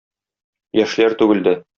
Яшьләр түгелде.